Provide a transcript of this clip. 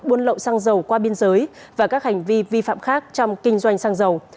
buôn lậu sang giàu qua biên giới và các hành vi vi phạm khác trong kinh doanh sang giàu